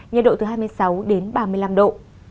nhiệt độ từ hai mươi sáu đến ba mươi năm độ